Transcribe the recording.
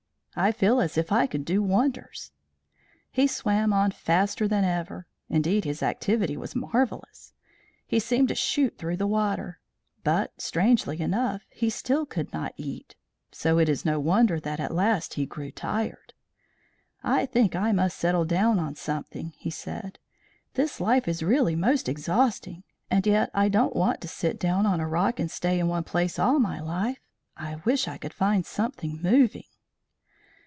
"I feel as if I could do wonders." He swam on faster than ever. Indeed, his activity was marvellous. He seemed to shoot through the water. But, strangely enough, he still could not eat, so it is no wonder that at last he grew tired. "I think I must settle down on something," he said. "This life is really most exhausting. And yet I don't want to sit down on a rock and stay in one place all my life. I wish I could find something moving."